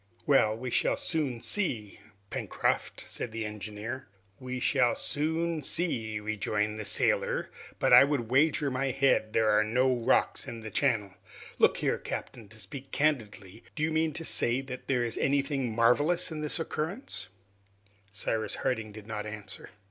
"Well, we shall soon see, Pencroft," said the engineer. "We shall soon see," rejoined the sailor, "but I would wager my head there are no rocks in the channel. Look here, captain, to speak candidly, do you mean to say that there is anything marvelous in the occurrence?" Cyrus Harding did not answer.